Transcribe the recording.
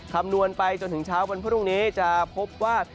คำนวณไปจนถึงเช้าวันพรุ่งนี้จะพบว่า